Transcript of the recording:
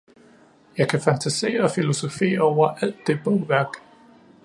Jeg kan fantasere og filosofere over alt det bogværk